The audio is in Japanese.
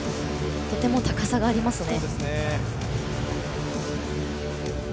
とても高さがありますね。